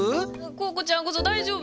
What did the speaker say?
コウコちゃんこそ大丈夫？